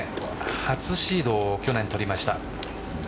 初シードを去年取りました。